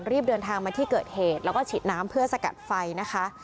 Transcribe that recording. รีบเดินทางมาที่เกิดเหตุแล้วก็ฉีดน้ำเพื่อสกัดไฟนะคะ